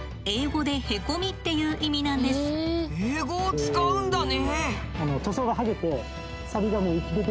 英語を使うんだね。